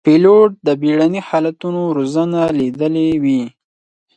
پیلوټ د بېړني حالتونو روزنه لیدلې وي.